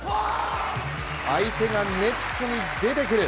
相手がネットに出てくる。